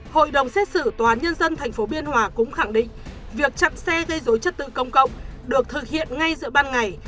hội đồng xét xử tòa án nhân dân tp biên hòa cũng khẳng định việc chặn xe gây dối trật tự công cộng được thực hiện ngay giữa ban ngày